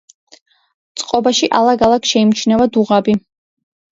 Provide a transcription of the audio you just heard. წყობაში ალაგ-ალაგ შეიმჩნევა დუღაბი.